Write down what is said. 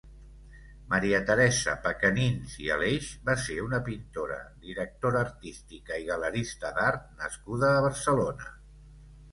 Maria Teresa Pecanins i Aleix va ser una pintora, directora artística i galerista d'art nascuda a Barcelona.